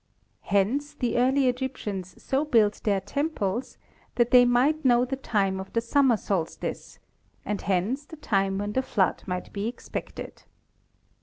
Hence the early Egyptians so built their temples that they might know the time of the summer solstice and hence the time when the flood might be ex pected.